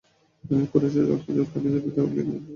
কুরাইশরা হযরত খালিদের পিতা ওলীদের কথা মেনে চলতো।